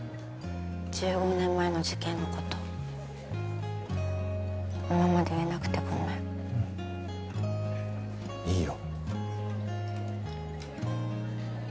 １５年前の事件のこと今まで言えなくてごめんうんいいよ